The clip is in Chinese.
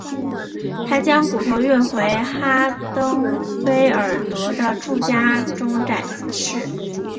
他将骨头运回哈登菲尔德的住家中展示。